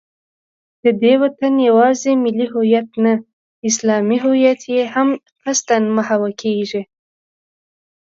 د دې وطن یوازې ملي هویت نه، اسلامي هویت یې هم قصدا محوه کېږي